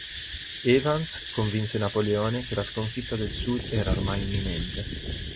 Evans convinse Napoleone che la sconfitta del sud era ormai imminente.